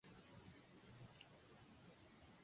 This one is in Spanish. Esto demostraría que era más exitosa de la banda.